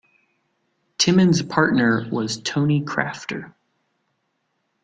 Timmins' partner was Tony Crafter.